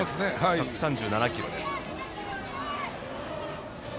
１３７キロです。